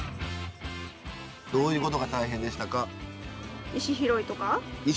どういうことが大変でしたか？